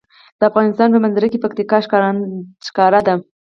د افغانستان په منظره کې پکتیکا ښکاره ده.